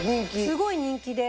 すごい人気で。